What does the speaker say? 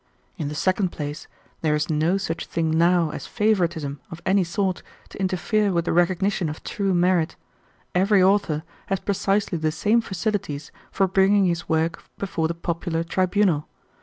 In the second place, there is no such thing now as favoritism of any sort to interfere with the recognition of true merit. Every author has precisely the same facilities for bringing his work before the popular tribunal.